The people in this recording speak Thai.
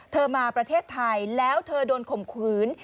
มาประเทศไทยแล้วเธอโดนข่มขืน